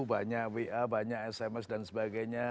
banyak wa banyak sms dan sebagainya